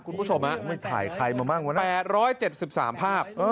คุณผู้ชมฮะไม่ถ่ายใครมาบ้างวะนะแปดร้อยเจ็ดสิบสามภาพอ้อ